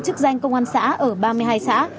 chức danh công an xã ở ba mươi hai xã